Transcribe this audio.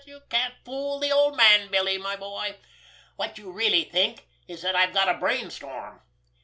You can't fool the old man, Billy, my boy! What you really think is that I've got a brain storm.